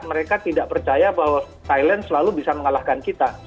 mereka tidak percaya bahwa thailand selalu bisa mengalahkan kita